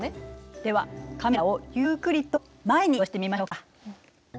ではカメラをゆっくりと前に移動してみましょうか。